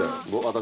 私。